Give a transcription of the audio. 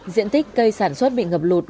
diện tích cây sản xuất bị ngập lụt